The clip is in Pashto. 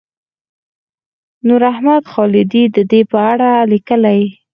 نوراحمد خالدي د دې په اړه لیکلي.